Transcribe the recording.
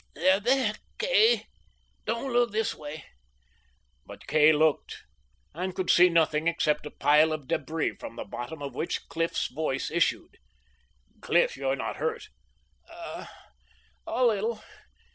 "They're there, Kay. Don't look this way!" But Kay looked and could see nothing except a pile of debris, from the bottom of which Cliff's voice issued. "Cliff, you're not hurt?" "A a little.